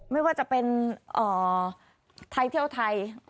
ไม่ว่าจะเป็นไทยเที่ยวไทย